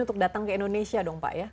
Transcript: untuk datang ke indonesia dong pak ya